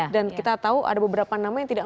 dan kita tahu ada beberapa nama yang tidak